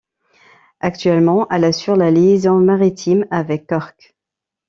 Actuellement, elle assure la liaison maritime avec Cork.